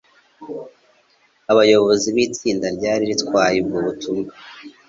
abayobozi b'itsinda ryari ritwaye ubwo butumwa